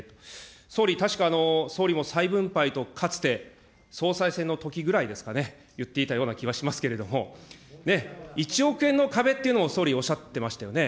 総理、たしか、総理も再分配と、かつて総裁選のときぐらいですかね、言っていたような気がしますけれども、１億円の壁というのも総理、おっしゃってましたよね。